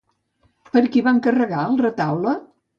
Per qui va encarregar el retaule?